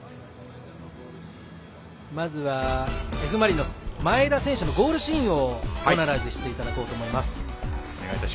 まずはＦ・マリノス前田選手のゴールシーンを「ボナライズ」していこうと思います。